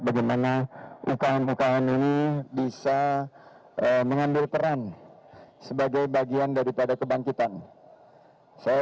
bagaimana ukm ukm ini bisa mengambil peran sebagai bagian daripada kebangkitan saya